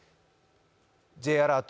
Ｊアラート